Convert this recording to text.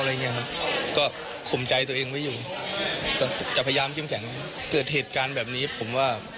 เพื่อนวีอยุ่จะพยายามจึงแข่ง